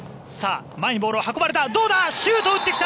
前にボールを運ばれた。